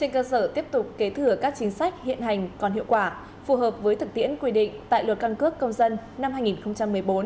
trên cơ sở tiếp tục kế thừa các chính sách hiện hành còn hiệu quả phù hợp với thực tiễn quy định tại luật căng cấp công dân năm hai nghìn một mươi bốn